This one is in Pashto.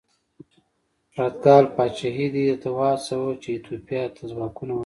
پرتګال پاچا یې دې ته وهڅاوه چې ایتوپیا ته ځواکونه ولېږي.